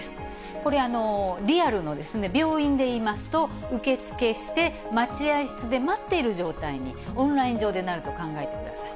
これ、リアルの病院でいいますと、受け付けして、待合室で待っている状態にオンライン上でなると考えてください。